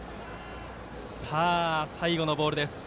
最後のボールです。